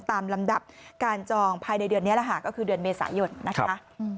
ตามลำดับการจองภายในเดือนนี้แหละค่ะก็คือเดือนเมษายนนะคะ